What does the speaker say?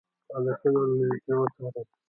فعالیتونه له نیژدې وڅاري.